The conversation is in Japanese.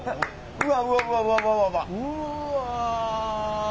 うわ！